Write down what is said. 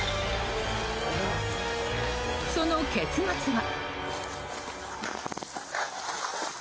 その結末は。